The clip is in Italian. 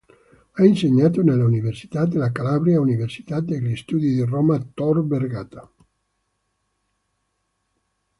Ha insegnato nelle Università della Calabria e Università degli Studi di Roma "Tor Vergata".